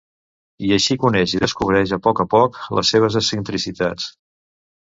I així coneix i descobreix a poc a poc les seves excentricitats.